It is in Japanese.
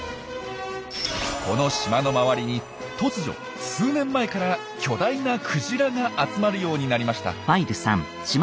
この島の周りに突如数年前から巨大なクジラが集まるようになりました。